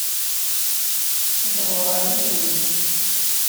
Tewwḍeḍ ɣer yiswi-k?